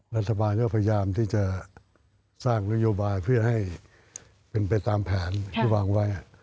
รัฐบาลก็พยายามที่จะสร้างนโยบายเพื่อให้เป็นไปตามแผนที่วางไว้